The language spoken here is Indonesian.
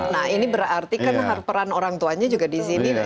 nah ini berarti kan peran orang tuanya juga di sini